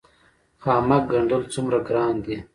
خامک ګنډل څومره ګران دي؟